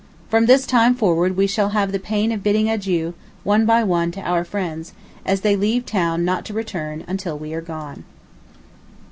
From this time forward we shall have the pain of bidding adieu, one by one, to our friends, as they leave town not to return till we are gone.